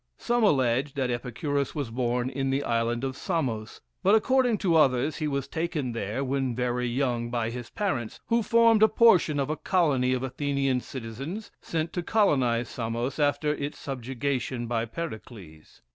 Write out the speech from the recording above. Some allege that Epicurus was born in the island of Samos; but, according to others, he was taken there when very young by his parents, who formed a portion of a colony of Athenian citizens, sent to colonize Samos after its subjugation by Pericles.